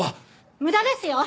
無駄ですよ！